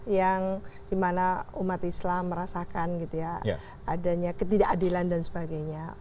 yang dimana umat islam merasakan gitu ya adanya ketidakadilan dan sebagainya